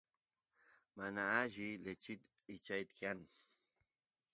mana alli lechit ichay kan